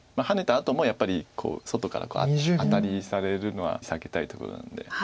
ハネたあともやっぱり外からアタリされるのは避けたいところなんで。